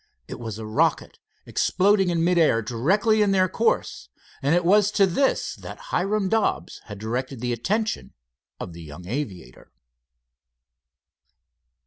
It was a rocket, exploding in mid air directly in their course, and it was to this that Hiram Dobbs had directed the attention of the young aviator.